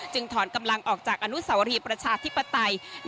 ถอนกำลังออกจากอนุสาวรีประชาธิปไตย